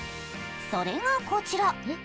それがこちら。